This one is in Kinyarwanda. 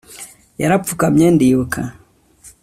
yarapfukamye ndibuka